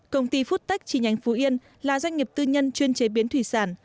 công ty foodtech chi nhánh phú yên là doanh nghiệp tư nhân chuyên chế biến thủy sản